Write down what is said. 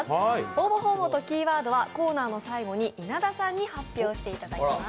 応募方法とキーワードはコーナーの最後に稲田さんに発表していただきます。